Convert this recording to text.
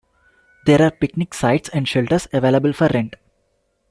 There are picnic sites and shelters available for rent.